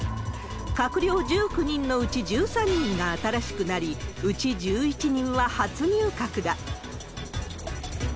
閣僚１９人のうち１３人が新しくなり、うち１１人は初入閣だ。